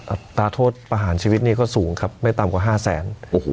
อัตราโทษประหารชีวิตนี่ก็สูงครับไม่ต่ำกว่า๕แสน